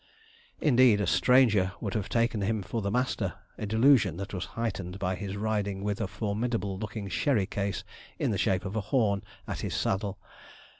Indeed, a stranger would have taken him for the master, a delusion that was heightened by his riding with a formidable looking sherry case, in the shape of a horn, at his saddle.